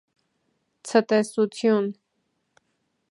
Ց’տեսություն